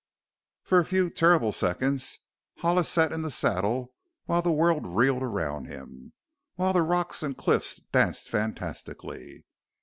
For a few terrible seconds Hollis sat in the saddle while the world reeled around him; while the rocks and cliffs danced fantastically.